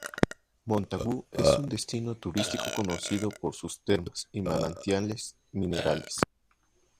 Montagu es un destino turístico conocido por sus termas y manantiales minerales.